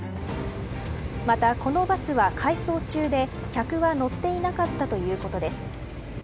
また、このバスは回送中で客は乗っていなかったということです。